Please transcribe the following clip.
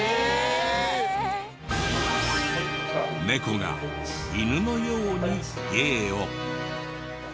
ネコが犬のように芸を。